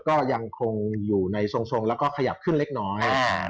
ก็ยังคงอยู่ในทรงแล้วก็ขยับขึ้นเล็กน้อย